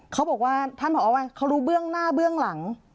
เขาบอกว่าท่านผอว่าเขารู้เบื้องหน้าเบื้องหลัง